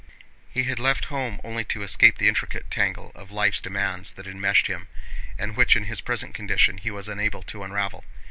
He had left home only to escape the intricate tangle of life's demands that enmeshed him, and which in his present condition he was unable to unravel.